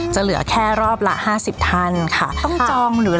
เหลือแค่รอบละห้าสิบท่านค่ะต้องจองหรือ